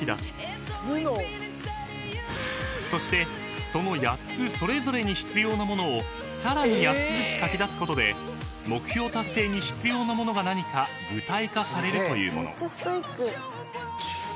［そしてその８つそれぞれに必要なものをさらに８つずつ書きだすことで目標達成に必要なものが何か具体化されるというもの］